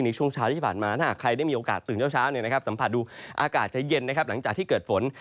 ช่วงเช้าที่ผ่านมาถ้าหากใครได้มีโอกาสตื่นเช้าสัมผัสดูอากาศจะเย็นนะครับหลังจากที่เกิดฝน